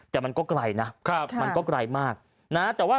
แต่มันก็ไกลนะมันก็ไกลมากนะฮะนะประกัดว่า